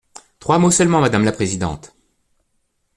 Trois mots seulement, madame la présidente.